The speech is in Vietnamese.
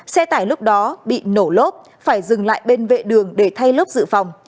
xe tải lúc đó bị nổ lốp phải dừng lại bên vệ đường để thay lốp dự phòng